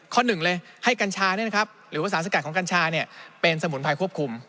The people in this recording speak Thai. ข้อ๑เลยให้กัญชาเนี่ยนะครับหรือว่าสาธารณ์ของกัญชาเนี่ยเป็นสมุนไพรควบคุม